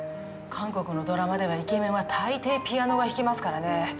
韓国のドラマではイケメンは大抵ピアノが弾けますからね。